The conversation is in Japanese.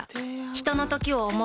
ひとのときを、想う。